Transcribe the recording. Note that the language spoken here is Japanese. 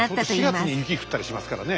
４月に雪降ったりしますからね。